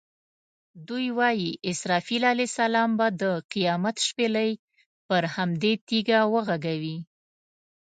دوی وایي اسرافیل علیه السلام به د قیامت شپېلۍ پر همدې تیږه وغږوي.